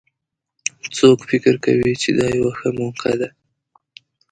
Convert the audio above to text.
څوک فکر کوي چې دا یوه ښه موقع ده